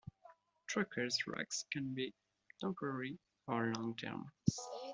Trackage rights can be temporary or long-term.